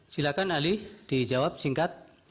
silakan ali dijawab singkat